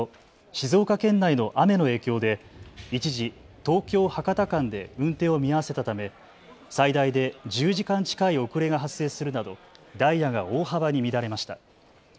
静岡県内の雨の影響で一時、東京・博多間で運転を見合わせたため最大で１０時間近い遅れが発生するなどダイヤが大幅に乱れました。